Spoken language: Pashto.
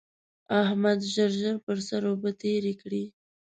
احمد ژر ژر پر سر اوبه تېرې کړې.